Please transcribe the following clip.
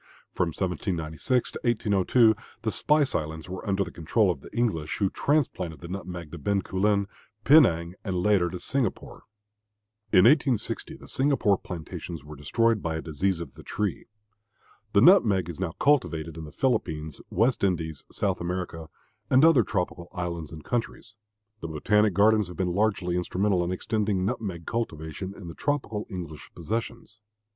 From 1796 to 1802 the spice islands were under the control of the English, who transplanted the nutmeg to Bencoolen, Penang, and, later, to Singapore. In 1860 the Singapore plantations were destroyed by a disease of the tree. The nutmeg is now cultivated in the Philippines, West Indies, South America, and other tropical islands and countries. The botanic gardens have been largely instrumental in extending nutmeg cultivation in the tropical English possessions.